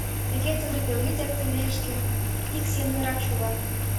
Тыге тудо, пелйӱд эртымешке, ик семынракак шога.